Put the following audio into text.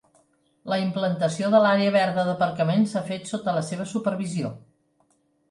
La implantació de l'àrea verda d'aparcament s'ha fet sota la seva supervisió.